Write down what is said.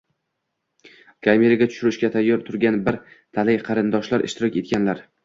kameraga tushirishga tayyor turgan bir talay qarindoshlar ishtirok etganlar.